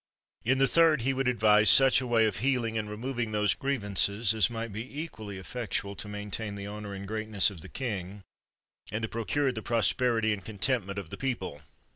In the third, he would advise such a way of healing, and removing those griev ances, as might be equally effectual to maintain the honor and greatness of the king, and to pro cure the prosperity and contentment of the people.